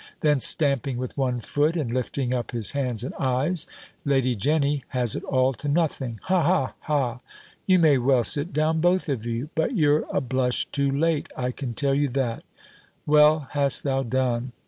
Then stamping with one foot, and lifting up his hands and eyes "Lady Jenny has it all to nothing Ha, ha, ha! You may well sit down both of you; but you're a blush too late, I can tell you that. Well hast thou done.